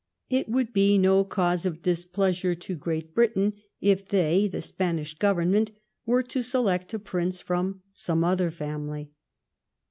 it would be no cause of displea sure to Great Britain if they (the Spanish Government) were to select a prince from some other family.'